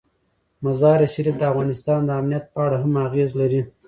مزارشریف د افغانستان د امنیت په اړه هم اغېز لري.